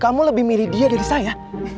kamu lebih milih dia dari saya